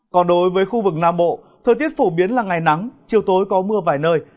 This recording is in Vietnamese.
còn đối với khu vực nam bộ thời tiết phổ biến là ngày nắng chiều tối có mưa vài nơi